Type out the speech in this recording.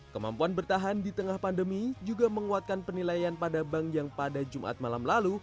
kemampuan bertahan di tengah pandemi juga menguatkan penilaian pada bank yang pada jumat malam lalu